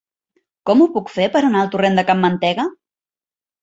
Com ho puc fer per anar al torrent de Can Mantega?